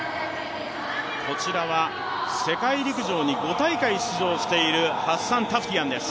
こちらは世界陸上に５大会出場しているハッサン・タフティアンです。